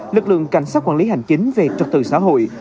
lực lượng cảnh sát quản lý hành chính về trật tự xã hội